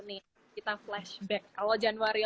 nih kita flashback kalau januari